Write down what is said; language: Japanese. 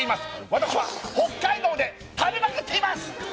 私は北海道で食べまくっています！